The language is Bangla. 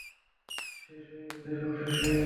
শেষ হয়ে গেছে, সব শেষ হয়ে গেছে।